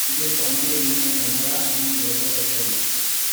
It is commonly known as "Gomorrah" among local residents.